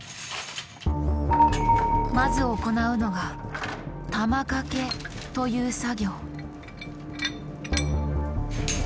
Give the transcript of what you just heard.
まず行うのが玉掛けという作業。